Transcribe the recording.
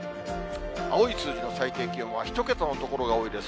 青い数字の最低気温は、１桁の所が多いです。